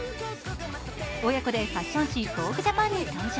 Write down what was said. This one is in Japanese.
親子でファッション誌「ＶＯＧＵＥＪＡＰＡＮ」に登場。